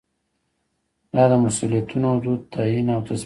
دا د مسؤلیتونو حدود هم تعین او تثبیتوي.